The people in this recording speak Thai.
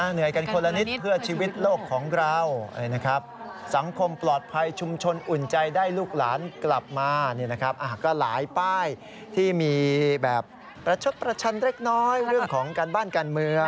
เหนื่อยกันคนละนิดเพื่อชีวิตโลกของเราสังคมปลอดภัยชุมชนอุ่นใจได้ลูกหลานกลับมาก็หลายป้ายที่มีแบบประชดประชันเล็กน้อยเรื่องของการบ้านการเมือง